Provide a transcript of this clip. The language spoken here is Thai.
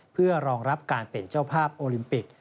เพื่อรองรับการเป็นเจ้าภาพโอลิมปิก